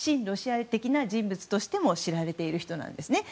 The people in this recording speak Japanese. ロシア的な人物としても知られている人です。